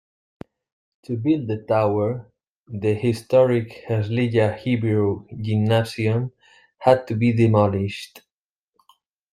To build the tower, the historic Herzliya Hebrew Gymnasium had to be demolished.